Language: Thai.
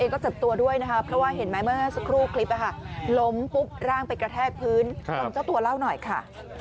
ขอบคุณเจ้าตัวเล่าหน่อยค่ะ